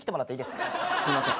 すいません。